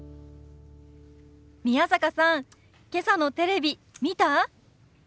宮坂さんけさのテレビ見た？